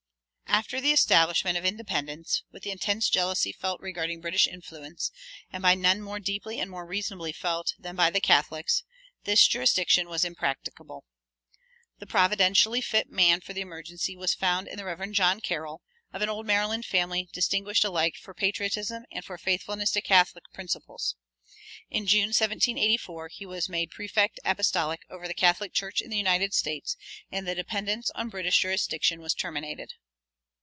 After the establishment of independence, with the intense jealousy felt regarding British influence, and by none more deeply and more reasonably felt than by the Catholics, this jurisdiction was impracticable. The providentially fit man for the emergency was found in the Rev. John Carroll, of an old Maryland family distinguished alike for patriotism and for faithfulness to Catholic principles. In June, 1784, he was made prefect apostolic over the Catholic Church in the United States, and the dependence on British jurisdiction was terminated.